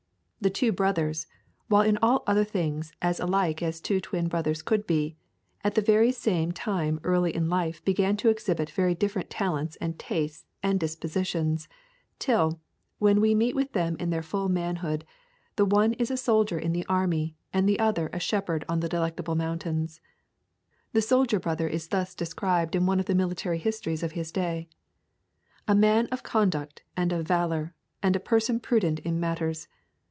The two brothers, while in all other things as like as two twin brothers could be, at the same time very early in life began to exhibit very different talents and tastes and dispositions; till, when we meet with them in their full manhood, the one is a soldier in the army and the other a shepherd on the Delectable Mountains. The soldier brother is thus described in one of the military histories of his day: 'A man of conduct and of valour, and a person prudent in matters.